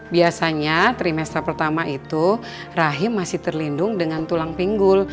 biasanya trimester pertama itu rahim masih terlindung dengan tulang pinggul